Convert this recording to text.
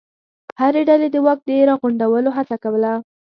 هرې ډلې د واک د راغونډولو هڅه کوله.